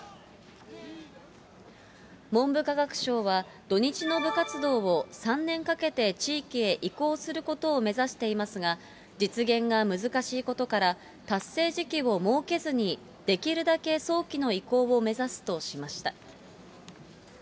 文部科学省は、土日の部活動を３年かけて地域へ移行することを目指していますが、実現が難しいことから、達成時期を設けずに、できるだけ早期の移行を目指すとしました。